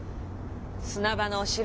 「砂場のお城」。